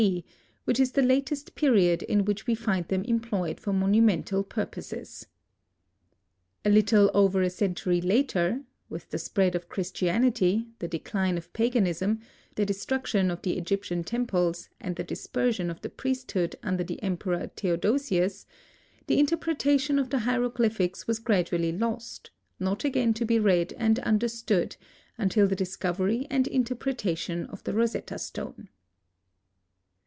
D., which is the latest period in which we find them employed for monumental purposes. A little over a century later,—with the spread of Christianity, the decline of paganism, the destruction of the Egyptian temples and the dispersion of the priesthood under the Emperor Theodosius,—the interpretation of the hieroglyphics was gradually lost, not again to be read and understood until the discovery and interpretation of the Rosetta Stone.